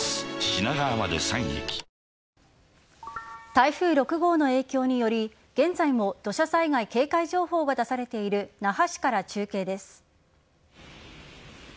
台風６号の影響により現在も土砂災害警戒情報が出されている那覇市から中継です。